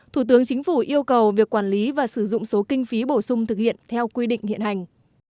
thủ tướng chính phủ yêu cầu việc quản lý và sử dụng số kinh phí bổ sung thực hiện theo quy định hiện hành